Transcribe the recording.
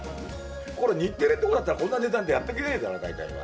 これ、日テレんとこだったら、こんな値段でやってけねぇだろ、大体が。